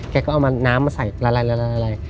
แกก็เอาน้ำมาใส่ละลาย